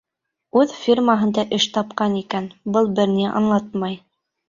Үҙ фирмаһында эш тапҡан икән, был бер ни аңлатмай.